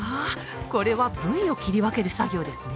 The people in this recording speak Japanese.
これは部位を切り分ける作業ですね。